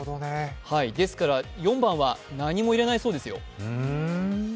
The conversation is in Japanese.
ですから４番は何も入れないそうですよ。